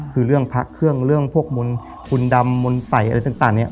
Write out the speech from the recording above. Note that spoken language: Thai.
คือเรื่องพระเครื่องเรื่องพวกมนต์คุณดำมนต์ใส่อะไรต่างเนี่ย